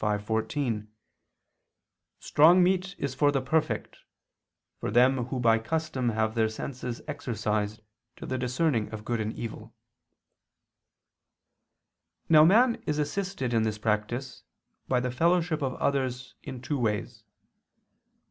5:14: "Strong meat is for the perfect; for them who by custom have their senses exercised to the discerning of good and evil." Now man is assisted in this practice by the fellowship of others in two ways.